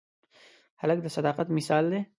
هلک د صداقت مثال دی.